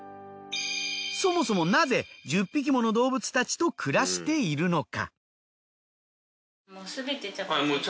そもそもなぜ１０匹もの動物たちと暮らしているのか？